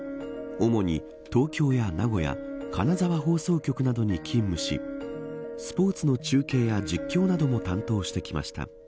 主に、東京や名古屋金沢放送局などに勤務しスポーツの中継や実況なども担当してきました。